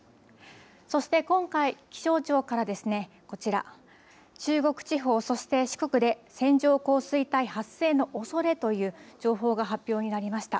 そして今回、気象庁からですねこちら、中国地方そして四国で線状降水帯発生のおそれという情報が発表になりました。